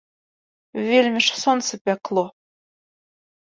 Вельмі ж сонца пякло.